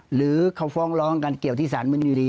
หรือเขาฟ้องร้องกันเกี่ยวที่สารมินอยู่ดี